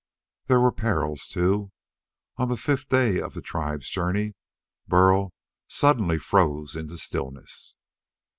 There were perils, too. On the fifth day of the tribe's journey Burl suddenly froze into stillness.